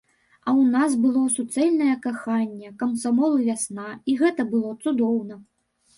А ў нас было суцэльнае каханне, камсамол і вясна, і гэта было цудоўна.